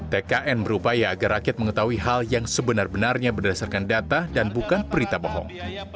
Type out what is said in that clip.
tkn berupaya agar rakyat mengetahui hal yang sebenar benarnya berdasarkan data dan bukan berita bohong